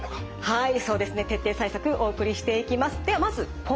はい。